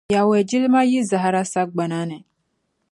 Yawɛ jilima yi zahara sagbana ni.